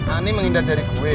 ani mengindah dari kamu ya